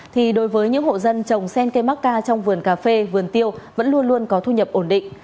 thì đối với những hộ dân trồng sen cây mắc ca trong vườn cà phê vườn tiêu vẫn luôn luôn có thu nhập ổn định